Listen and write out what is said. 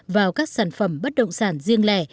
vào các sản phẩm bất động sản riêng lẻ